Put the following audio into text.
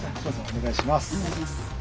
お願いします。